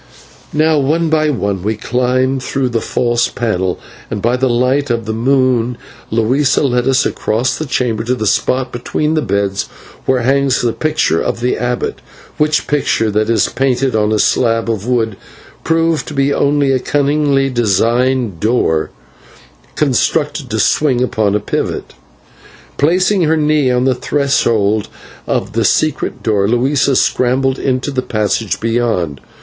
Now one by one we climbed through the false panel, and by the light of the moon Luisa led us across the chamber to the spot between the beds, where hangs the picture of the abbot, which picture, that is painted on a slab of wood, proved to be only a cunningly devised door constructed to swing upon a pivot. Placing her knee on the threshold of the secret door, Luisa scrambled into the passage beyond.